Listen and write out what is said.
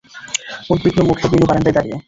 উদ্বিগ্ন মুখে বিনু বারান্দায় দাঁড়িয়ে।